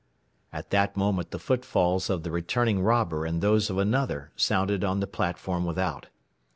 At that moment the footfalls of the returning robber and those of another sounded on the platform without.